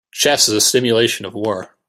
Chess is a simulation of war.